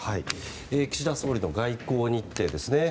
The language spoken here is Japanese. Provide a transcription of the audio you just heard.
岸田総理の外交日程ですね。